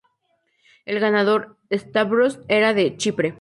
El ganador, Stavros, era de Chipre.